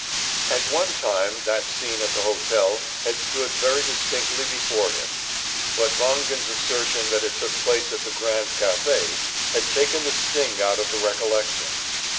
At one time that scene at the hotel had stood very distinctly before him; but Wangen's assertion that it took place in the Grand Café had taken the sting out of the recollection.